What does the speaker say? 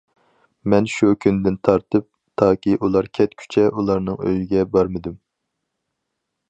مەن شۇ كۈندىن تارتىپ تاكى ئۇلار كەتكۈچە ئۇلارنىڭ ئۆيىگە بارمىدىم.